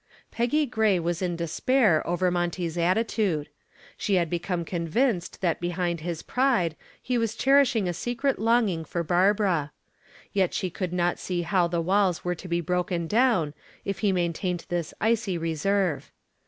Peggy Gray was in despair over Monty's attitude. She had become convinced that behind his pride he was cherishing a secret longing for Barbara. Yet she could not see how the walls were to be broken down if he maintained this icy reserve.